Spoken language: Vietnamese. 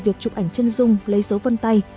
việc chụp ảnh chân dung lấy số vân tay